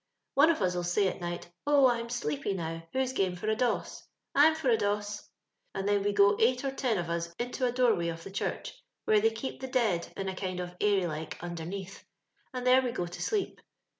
" One of us 'U say at night —' Oh, I'm sleepy now, who's gome for a doss ? I'm for a doss ;'— and then we go eight or ten of us into a doorway of the church, where they keep the dead in a kind of airy like underneath, and there wc go to sleep.